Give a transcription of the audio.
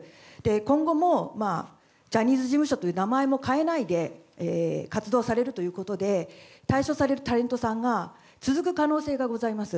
今後もジャニーズ事務所という名前も変えないで活動されるということで、退所されるタレントさんが続く可能性がございます。